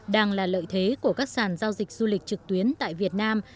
đang là lợi thế của các sàn giao dịch du lịch trực tuyến tại việt nam